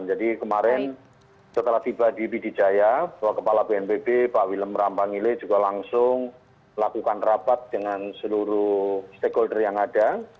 jadi kemarin setelah tiba di bidijaya bapak kepala bnbb pak wilem rambangile juga langsung lakukan rapat dengan seluruh stakeholder yang ada